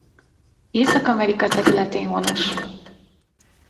Észak-Amerika területén honos.